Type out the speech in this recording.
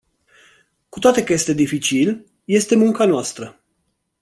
Cu toate că este dificil, este munca noastră.